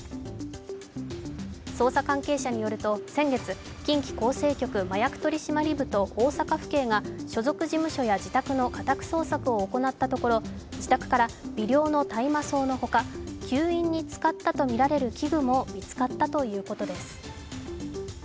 捜査関係者によると、先月、近畿厚生局麻薬取締部と大阪府警が所属事務所や自宅の家宅捜索を行ったところ、自宅から微量の大麻草の他吸引に使ったとみられる器具も見つかったということです。